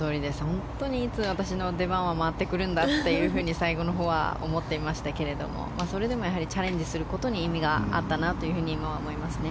本当にいつ、私の出番は回ってくるんだというふうに最後のほうは思っていましたけれどそれでもチャレンジすることに意味があったなと今は思います。